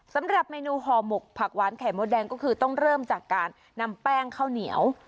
สำหรับเมนูห่อหมกผักหวานไข่มดแดงก็คือต้องเริ่มจากการนำแป้งข้าวเหนียว